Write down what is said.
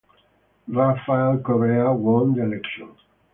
Rafael Correa won the election.